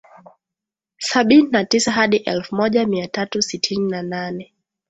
Sabini na tisa hadi elfu moja mia tatu sitini na nane